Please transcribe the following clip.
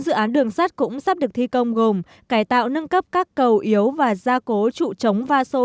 bốn dự án đường sắt cũng sắp được thi công gồm cải tạo nâng cấp các cầu yếu và gia cố trụ chống va sô